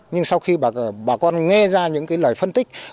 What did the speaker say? nhưng sau khi bà con nghe ra những cái lời phân tích